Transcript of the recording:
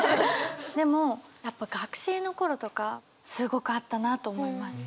でもやっぱ学生の頃とかすごくあったなと思います。